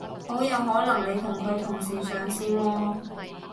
好有可能你同佢同時上線喎